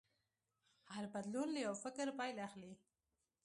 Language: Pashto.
هر بدلون له یو فکر پیل اخلي.